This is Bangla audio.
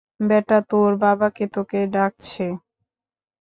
বেটা, তোর বাবাকে তোকে ডাকছে।